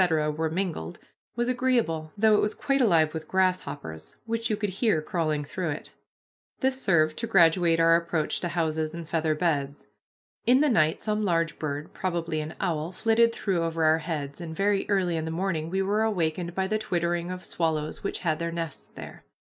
were mingled, was agreeable, though it was quite alive with grasshoppers which you could hear crawling through it. This served to graduate our approach to houses and feather beds. In the night some large bird, probably an owl, flitted through over our heads, and very early in the morning we were awakened by the twittering of swallows which had their nests there.